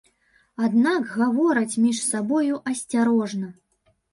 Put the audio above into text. Аднак гавораць між сабою асцярожна.